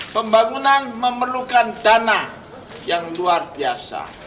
pembangunan memerlukan dana yang luar biasa